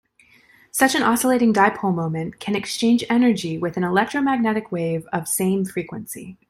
Such an oscillating dipole moment can exchange energy with an electromagnetic wave of same frequency.